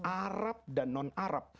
arab dan non arab